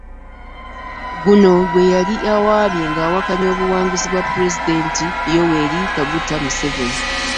Guno gwe yali awaabye ng'awakanya obuwanguzi bwa pulezidenti Yoweri Kaguta Museveni